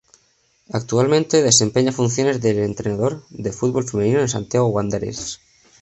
Actualmente, desempeña funciones de entrenador de fútbol femenino en Santiago Wanderers.